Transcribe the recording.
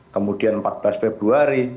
kemudian empat belas februari